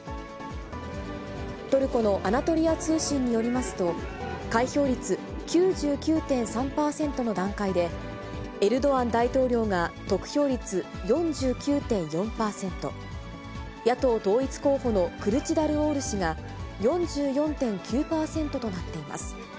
トルコのアナトリア通信によりますと、開票率９９．３％の段階で、エルドアン大統領が得票率４９．４％、野党統一候補のクルチダルオール氏が４４．９％となっています。